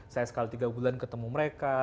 saya sekali tiga bulan ketemu mereka